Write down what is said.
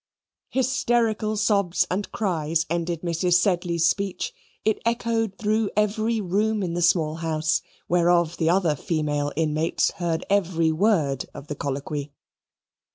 Hysteric sobs and cries ended Mrs. Sedley's speech it echoed through every room in the small house, whereof the other female inmates heard every word of the colloquy.